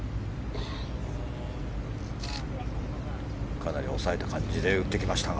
かなり抑えた感じで打っていきましたが。